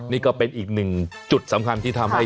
นี่ก็เป็นอีกหนึ่งจุดสำคัญที่ทำให้